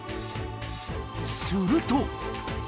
すると。